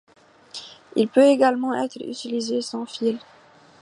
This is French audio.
Elle peut également être utilisée sans fil.